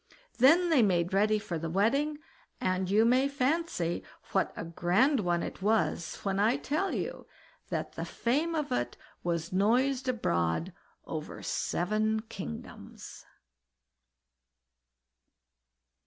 Then they made ready for the wedding, and you may fancy what a grand one it was, when I tell you, that the fame of it was noised abroad over seven kingdoms.